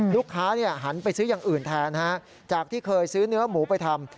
หันไปซื้ออย่างอื่นแทนจากที่เคยซื้อเนื้อหมูไปทำ